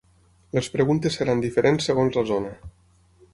Les preguntes seran diferents segons la zona.